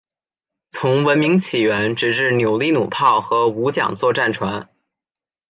从文明起源直至扭力弩炮和五桨座战船。